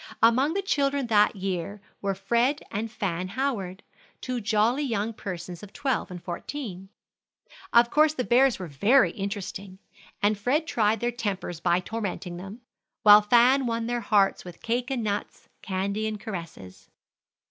Among the children that year were Fred and Fan Howard, two jolly young persons of twelve and fourteen. Of course the bears were very interesting, and Fred tried their tempers by tormenting them, while Fan won their hearts with cake and nuts, candy and caresses.